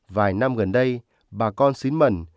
vài năm gần đây bà con xí mần